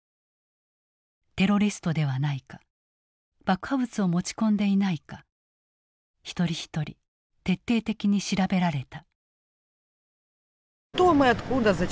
テロリストではないか爆破物を持ち込んでいないか一人一人徹底的に調べられた。